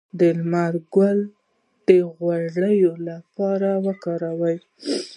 د لمر ګل د غوړیو لپاره وکاروئ